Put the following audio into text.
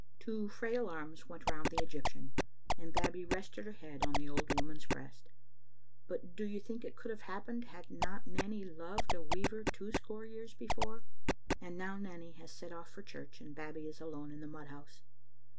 Two frail arms went round the Egyptian, and Babbie rested her head on the old woman's breast. But do you think it could have happened had not Nanny loved a weaver two score years before? And now Nanny has set off for church and Babbie is alone in the mud house.